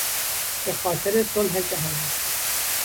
به خاطر صلح جهانی